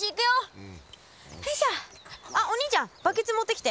あっお兄ちゃんバケツ持ってきて。